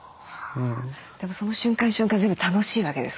でもその瞬間瞬間全部楽しいわけですか？